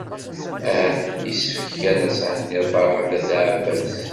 Ahat yessefk kan ad thenniḍ Ferḥat n At Ɛebbas.